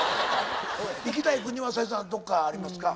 行きたい国は斉藤さんどっかありますか？